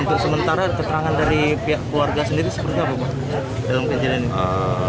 untuk sementara keterangan dari pihak keluarga sendiri seperti apa pak